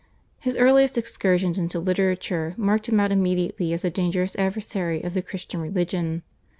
His earliest excursions into literature marked him out immediately as a dangerous adversary of the Christian religion.